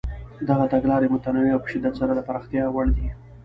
دغه تګلارې متنوع او په شدت سره د پراختیا وړ دي.